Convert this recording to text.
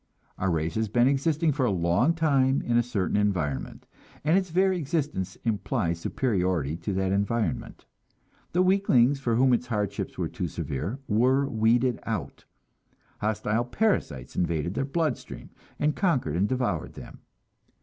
Our race has been existing for a long time in a certain environment, and its very existence implies superiority to that environment. The weaklings, for whom its hardships were too severe, were weeded out; hostile parasites invaded their blood stream and conquered and devoured them.